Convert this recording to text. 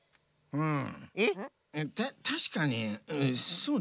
うん。